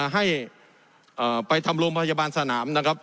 ให้ไปทำโรงพยาบาลสนาม